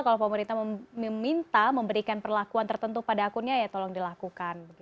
kalau pemerintah meminta memberikan perlakuan tertentu pada akunnya ya tolong dilakukan